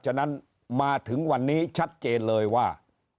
ฉะนั้นมาถึงวันนี้ชัดเจนเลยว่า